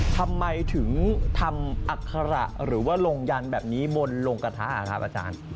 ทำไมถึงทำอัคระหรือว่าลงยันแบบนี้บนลงกระทะครับอาจารย์